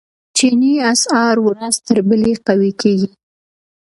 چیني اسعار ورځ تر بلې قوي کیږي.